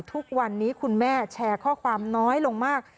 ทุกวันนี้คุณแม่แชร์ข้อความน้อยลงมาก